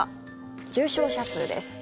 重症者数です。